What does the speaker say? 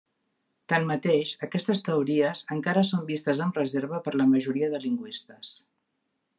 Tanmateix, aquestes teories encara són vistes amb reserva per la majoria de lingüistes.